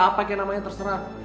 apa kayak namanya terserah